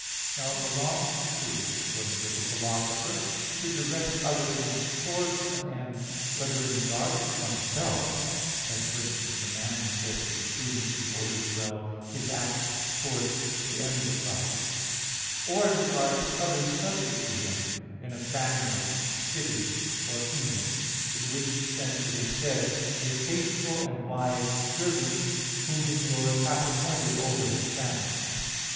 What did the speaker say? Now it belongs to prudence, according to the Philosopher (Ethic. vi, 12), to direct other things towards an end whether in regard to oneself as for instance, a man is said to be prudent, who orders well his acts towards the end of life or in regard to others subject to him, in a family, city or kingdom; in which sense it is said (Matt. 24:45), "a faithful and wise servant, whom his lord hath appointed over his family."